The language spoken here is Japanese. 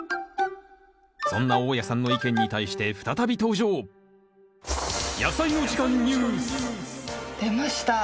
そんな大家さんの意見に対して再び登場出ました。